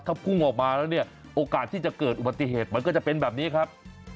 ถ้าพุ่งออกมาแล้วเนี่ยโอกาสที่จะเกิดอุบัติเหตุมันก็จะเป็นแบบนี้ครับ